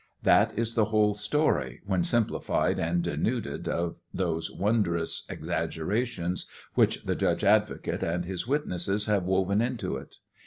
That is the whole story, when simplified and denuded of those wondrous exaggerations which thejudge advocate and his witnesses have woven into it.